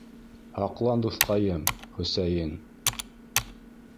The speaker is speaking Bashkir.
Һаҡлан дуҫҡайым, Хө-Өсәйен